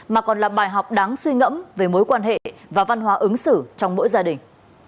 mà còn là bài học đáng suy ngẫm về mối quan hệ và văn hóa ứng xử trong mỗi gia đình